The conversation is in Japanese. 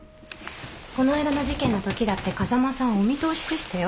この間の事件のときだって風間さんはお見通しでしたよ。